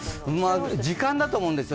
時間だと思うんですよ。